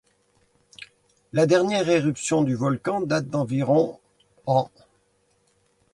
La dernière éruption du volcan date d'environ ans.